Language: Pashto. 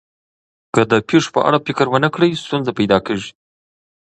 که د پېښو په اړه فکر ونه کړئ، ستونزه پیدا کېږي.